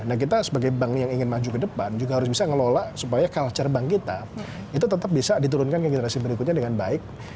nah kita sebagai bank yang ingin maju ke depan juga harus bisa ngelola supaya culture bank kita itu tetap bisa diturunkan ke generasi berikutnya dengan baik